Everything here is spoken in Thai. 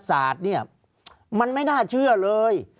ภารกิจสรรค์ภารกิจสรรค์